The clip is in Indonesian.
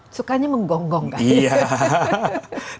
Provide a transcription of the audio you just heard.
sukanya menggonggong kan